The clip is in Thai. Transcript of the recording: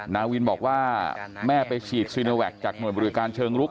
นาวินบอกว่าแม่ไปฉีดซีโนแวคจากห่วยบริการเชิงลุก